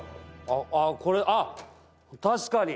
あこれあっ確かに！